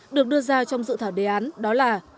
được đưa ra trong dự thảo đề án đó là